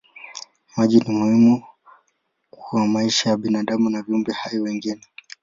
Maji ni muhimu kwa maisha ya binadamu na viumbe hai wengine.